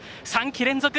３季連続！